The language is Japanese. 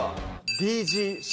ＤＧＣ？